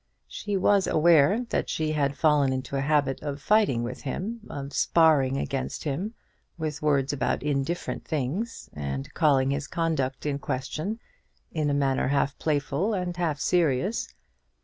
She was aware that she had fallen into a habit of fighting with him, of sparring against him with words about indifferent things, and calling his conduct in question in a manner half playful and half serious.